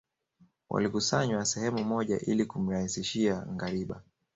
Walikusanywa sehemu moja ili kumrahisishia ngariba